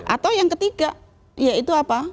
atau yang ketiga ya itu apa